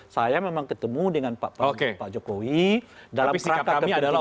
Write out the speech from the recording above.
saya memang ketemu dengan pak jokowi dalam perangkat kepentingan nasional